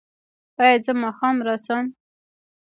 ایا زه ماښام راشم؟